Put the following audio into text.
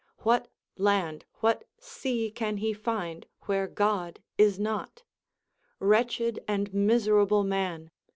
What land, \vhat sea can he find where God is not 1 Wretched and miser able man